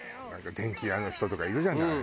電気屋の人とかいるじゃない。